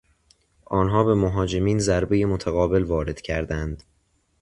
آنها به مهاجمین ضربهی متقابل وارد آوردند.